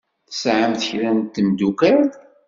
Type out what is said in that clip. Tesɛamt kra n temddukal?